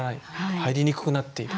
入りにくくなっている。